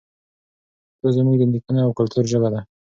پښتو زموږ د نیکونو او کلتور ژبه ده.